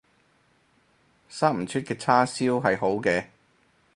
生唔出嘅叉燒係好嘅